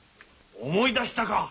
思い出したか？